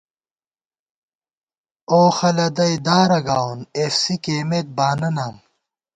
اوخہ لدَئی دارہ گاوون ایف سی کېئیمت بانہ نام